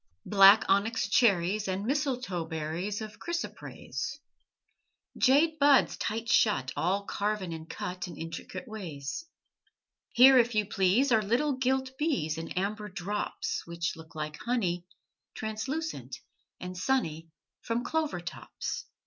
Black onyx cherries And mistletoe berries Of chrysoprase, Jade buds, tight shut, All carven and cut In intricate ways. Here, if you please Are little gilt bees In amber drops Which look like honey, Translucent and sunny, From clover tops.